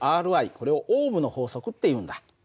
これをオームの法則っていうんだ。